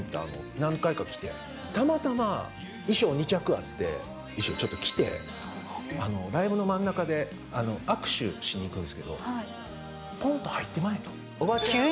何回か来て、たまたま衣装２着あって、衣装ちょっと着て、ライブの真ん中で握手しに行くんですけれども、急に？